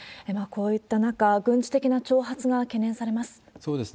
こういった中、軍事的な挑発が懸念されます。